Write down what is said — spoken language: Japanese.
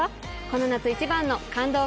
この夏一番の感動